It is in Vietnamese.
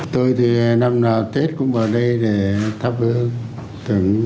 tôi thì năm nào tết cũng vào đây để thắp hương tưởng